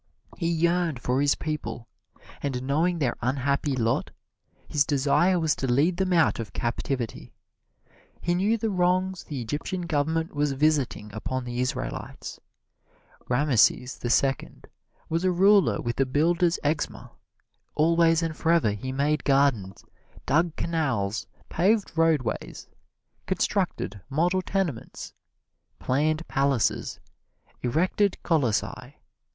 He yearned for his people, and knowing their unhappy lot, his desire was to lead them out of captivity. He knew the wrongs the Egyptian government was visiting upon the Israelites. Rameses the Second was a ruler with the builder's eczema: always and forever he made gardens, dug canals, paved roadways, constructed model tenements, planned palaces, erected colossi.